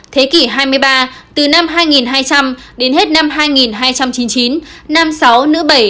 thế kỷ hai mươi ba từ năm hai nghìn hai trăm linh đến hết năm hai nghìn hai trăm chín mươi chín nam sáu nữ bảy